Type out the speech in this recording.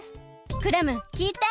クラムきいて！